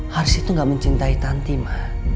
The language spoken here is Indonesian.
haris itu nggak mencintai tanti ma